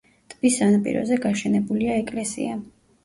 ტბის სანაპიროზე გაშენებულია ეკლესია.